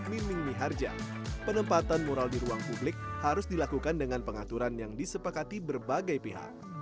miming miharja penempatan mural di ruang publik harus dilakukan dengan pengaturan yang disepakati berbagai pihak